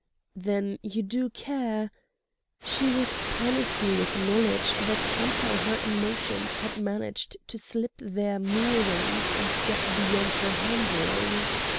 "Then you do care—?" She was panicky with knowledge that somehow her emotions had managed to slip their moorings and get beyond her handling.